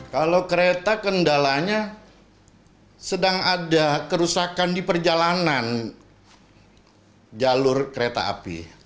kalau kereta kendalanya sedang ada kerusakan di perjalanan jalur kereta api